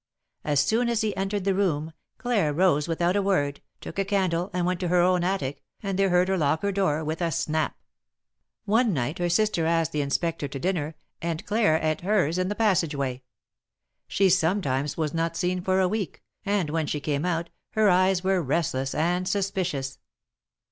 As soon as he entered the room, Claire rose with i/ out a word, took a candle and went to her own attic, and they heard her lock her door, with a snap. One night, her sister asked the Inspector to dinner, and Claire (eafjiers in the passage way. She sometimes was not seenTor a week, and when she came out, her eyes were restless and suspicious.